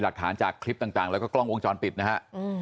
หลักฐานจากคลิปต่างแล้วก็กล้องวงจรปิดนะฮะ